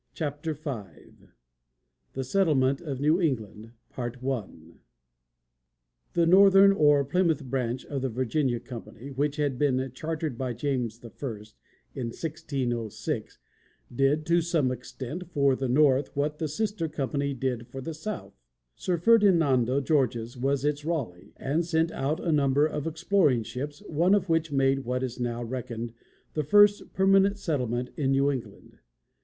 CHAPTER V THE SETTLEMENT OF NEW ENGLAND The Northern or Plymouth Branch of the Virginia Company, which had been chartered by James I in 1606, did, to some extent, for the north what the sister company did for the south. Sir Ferdinando Gorges was its Raleigh, and sent out a number of exploring ships, one of which made what is now reckoned the first permanent settlement in New England.